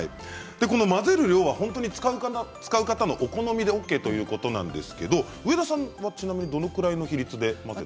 この混ぜる量は本当に使う方のお好みでＯＫということなんですけれど、上田さんはちなみにどれくらいの比率で混ぜたりしますか。